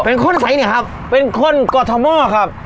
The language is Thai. เป็นคนใสเนี่ยครับเป็นคนกอทม่อครับ